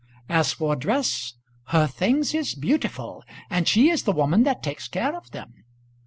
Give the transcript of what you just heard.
As for dress, her things is beautiful, and she is the woman that takes care of 'em!